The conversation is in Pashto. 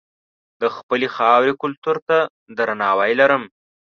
زه د خپلې خاورې کلتور ته درناوی لرم.